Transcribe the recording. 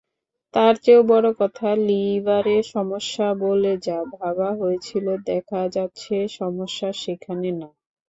তারচেয়েও বড় কথা লিভারের সমস্যা বলে যা ভাবা হয়েছিল দেখা যাচ্ছে সমস্যা সেখানে না।